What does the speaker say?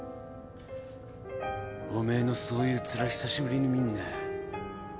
おめえのそういうツラ久しぶりに見んな。